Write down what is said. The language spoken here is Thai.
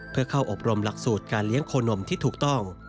เพื่อเข้าอบรมหลักสูตรการเลี้ยงโคนมที่ถูกต้อง